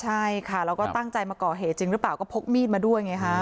ใช่ค่ะแล้วก็ตั้งใจมาก่อเหตุจริงหรือเปล่าก็พกมีดมาด้วยไงฮะ